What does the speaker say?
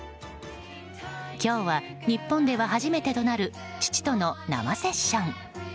今日は日本では初めてとなる父との生セッション。